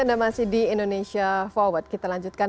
dan kita akan